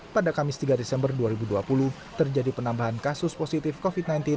pada kamis tiga desember dua ribu dua puluh terjadi penambahan kasus positif covid sembilan belas